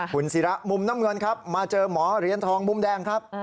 คุณศิระมุมน้ำเงินครับมาเจอหมอเหรียญทองมุมแดงครับ